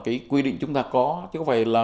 cái quy định chúng ta có chứ không phải là